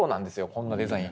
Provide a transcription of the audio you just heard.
こんなデザイン。